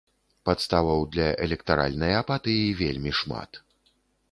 Падставаў для электаральнай апатыі вельмі шмат.